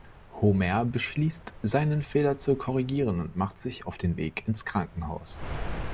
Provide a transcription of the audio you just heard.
Homer beschließt, seinen Fehler zu korrigieren, und macht sich auf den Weg ins Krankenhaus.